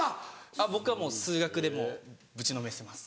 あっ僕はもう数学でもうぶちのめせます。